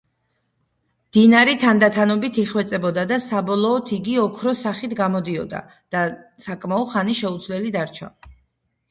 დინარი თანდათანობით იხვეწებოდა და საბოლოოდ იგი ოქროს სახით გამოდიოდა და საკმაო ხანი შეუცვლელი დარჩა.